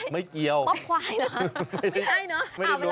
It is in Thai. ไม่เกี้ยวควายเหรอคะไม่ใช่หรือ